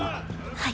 はい。